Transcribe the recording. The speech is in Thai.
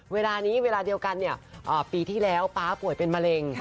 เวลานี้เวลาเดียวกันเนี่ยปีที่แล้วป๊าป่วยเป็นมะเร็ง